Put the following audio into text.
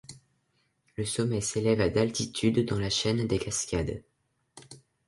Le sommet s'élève à d'altitude dans la chaîne des Cascades.